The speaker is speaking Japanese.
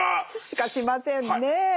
しかしませんね。